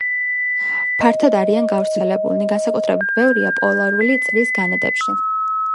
ფართოდ არიან გავრცელებული; განსაკუთრებით ბევრია პოლარული წრის განედებში.